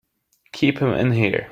Keep him in here!